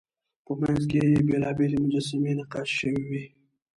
په منځ کې یې بېلابېلې مجسمې نقاشي شوې وې.